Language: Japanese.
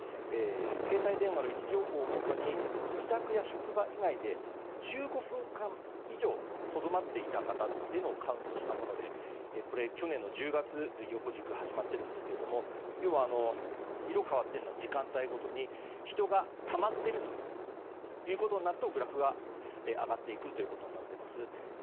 携帯電話の位置情報をもとに自宅や職場以外で１５分間以上とどまっていた方をカウントしたもので横軸が去年の１０月で始まっているんですけれども色が変わっているのは時間帯ごとに人がたまっているということになるとグラフが上がっていくということになっています。